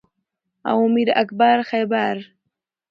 او میر اکبر خیبری